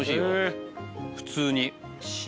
普通に。